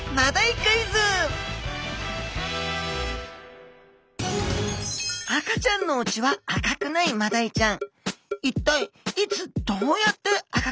クイズ赤ちゃんのうちは赤くないマダイちゃん。